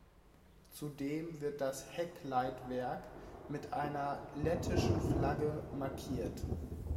Zudem wird das Heckleitwerk mit einer lettischen Flagge markiert.